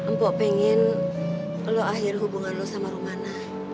mpok pengen lo akhir hubungan lo sama rumana